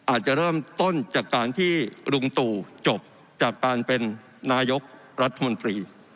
อาจจะเริ่มต้นจากการที่ลุงตู่จบจากการเป็นนายกรัฐมนตรี